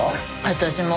私も。